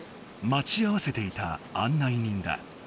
まち合わせていた案内人だ。